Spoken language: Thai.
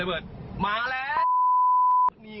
นี่ไงล่อยแล้วสนานรถ